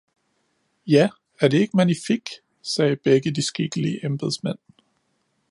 "Ja er det ikke magnifik!" sagde begge de skikkelige embedsmænd.